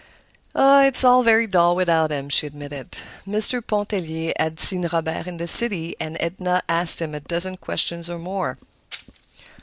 "It's very dull without him," she admitted. Mr. Pontellier had seen Robert in the city, and Edna asked him a dozen questions or more.